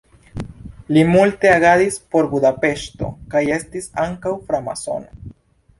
Li multe agadis por Budapeŝto kaj estis ankaŭ framasono.